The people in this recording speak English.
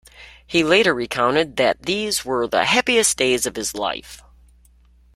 He later recounted that these were the happiest days of his life.